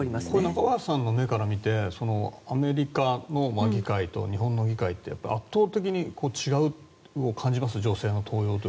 中林さんの目から見てアメリカの議会と日本の議会って圧倒的に違いを感じます？